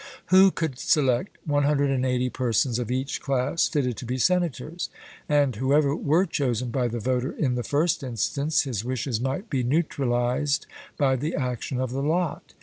Who could select 180 persons of each class, fitted to be senators? And whoever were chosen by the voter in the first instance, his wishes might be neutralized by the action of the lot.